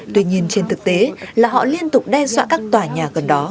tuy nhiên trên thực tế là họ liên tục đe dọa các tòa nhà gần đó